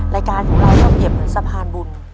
รายการของเราชอบเปรียบเหมือนสะพานบุญ